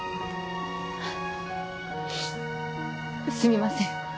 すみません